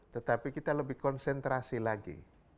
tetapi kita lebih konsentrasi lagi